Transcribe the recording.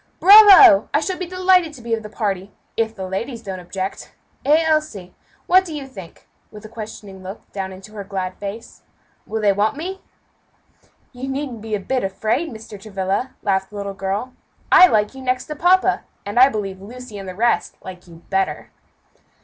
"Bravo! I shall be delighted to be of the party, if the ladies don't object; eh! Elsie, what do you think?" with a questioning look down into her glad face, "will they want me?" "You needn't be a bit afraid, Mr. Travilla," laughed the little girl; "I like you next to papa, and I believe Lucy and the rest like you better."